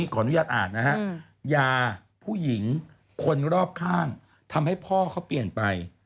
ขออนุญาตอ่านนะฮะยาผู้หญิงคนรอบข้างทำให้พ่อเขาเปลี่ยนไป